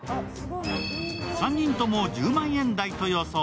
３人とも１０万円台と予想。